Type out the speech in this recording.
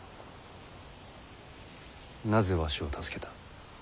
なぜわしを助けた？